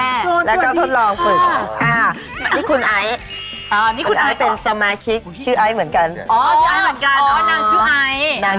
เออดีไหมคะคุณตุ๋น